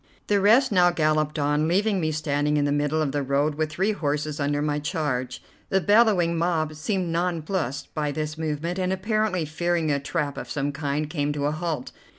The rest now galloped on, leaving me standing in the middle of the road, with three horses under my charge. The bellowing mob seemed nonplussed by this movement, and, apparently fearing a trap of some kind, came to a halt.